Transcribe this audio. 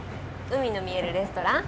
海の見えるレストラン？